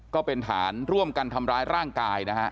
ก็เป็นฐานร่วมกันทำร้ายร่างกายนะฮะ